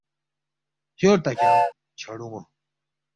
خیور تا کھیانگ، چھڑون٘و